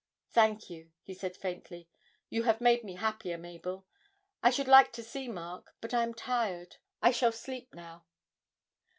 'Thank you!' he said faintly; 'you have made me happier, Mabel. I should like to see Mark, but I am tired. I shall sleep now.'